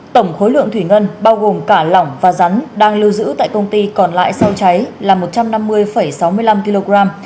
tổng khối lượng thủy ngân bao gồm cả lỏng và rắn đang lưu giữ tại công ty còn lại sau cháy là một trăm năm mươi sáu mươi năm kg